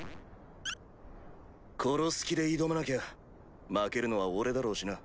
殺す気で挑まなきゃ負けるのは俺だろうしな。